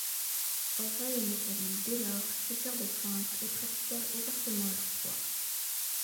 Aurèle et Nathalie, dès lors, cessèrent de feindre et pratiquèrent ouvertement leur foi.